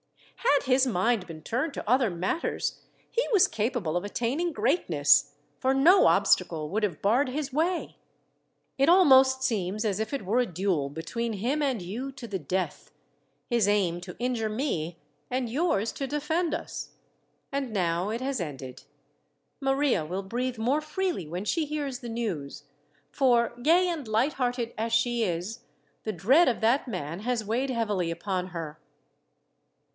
Had his mind been turned to other matters, he was capable of attaining greatness, for no obstacle would have barred his way. "It almost seems as if it were a duel between him and you to the death his aim to injure me, and yours to defend us. And now it has ended. Maria will breathe more freely when she hears the news, for, gay and light hearted as she is, the dread of that man has weighed heavily upon her."